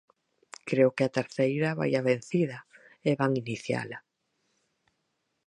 Creo que á terceira vai a vencida e van iniciala.